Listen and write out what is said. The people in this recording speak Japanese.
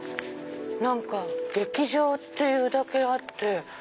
劇場っていうだけあって。